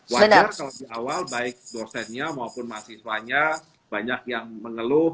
wajar kalau di awal baik dosennya maupun mahasiswanya banyak yang mengeluh